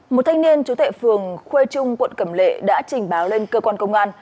một thanh niên chú tệ phường khuê trung quận cẩm lệ đã trình báo lên cơ quan công an